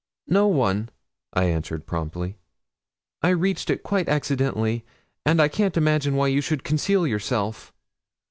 'No one, I answered promptly: 'I reached it quite accidentally, and I can't imagine why you should conceal yourself.'